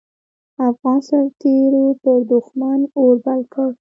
افغان سررتېرو پر دوښمن اور بل کړ.